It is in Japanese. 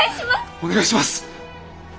お願いします！